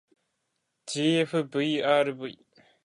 ｇｆｖｒｖ